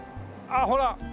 あっほら！